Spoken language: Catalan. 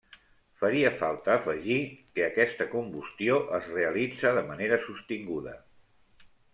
Faria falta afegir que aquesta combustió es realitza de manera sostinguda.